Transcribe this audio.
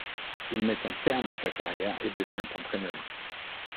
Il met un terme à sa carrière et devient entraîneur.